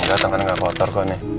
enggak tangannya nggak kotor kok nih